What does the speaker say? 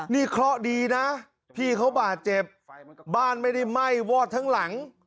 นี่เคราะห์ดีนะพี่เขาบาดเจ็บบ้านไม่ได้ไหม้วอดทั้งหลัง